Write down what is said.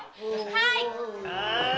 はい！